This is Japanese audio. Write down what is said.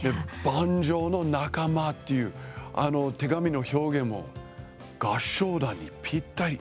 「盤上の仲間」っていう、あの手紙の表現も合唱団にぴったり。